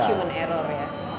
human error ya